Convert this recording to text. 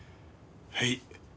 はい。